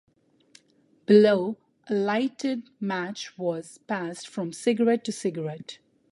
Below, a lighted match was passed from cigarette to cigarette.